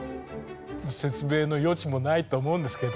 説明の余地もないと思うんですけど。